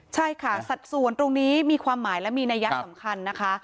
ใช่ค่ะสัดส่วนตรงนี้มีความหมายและมีนัยสำคัญนะคะ